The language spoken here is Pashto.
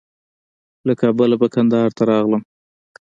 له کابله به کندهار ته راغلم.